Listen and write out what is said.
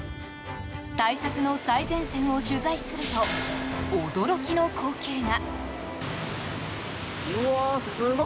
対策の最前線を取材すると驚きの光景が。